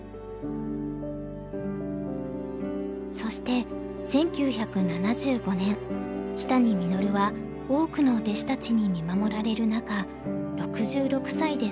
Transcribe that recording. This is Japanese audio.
そして１９７５年木谷實は多くの弟子たちに見守られる中６６歳でその生涯を終えました。